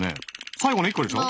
最後の１個でしょ？